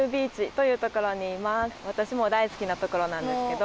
私も大好きな所なんですけど。